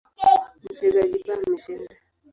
Mchezaji B ameshinda.